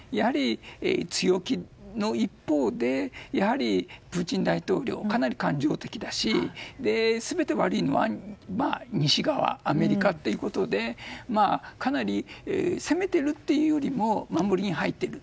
強気の一方でやはり、プーチン大統領かなり感情的だし全て悪いのは西側、アメリカということでかなり、攻めてるっていうよりも守りに入っている。